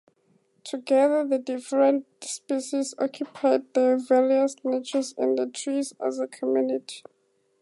Together the different species occupied their various niches in the trees as a "community".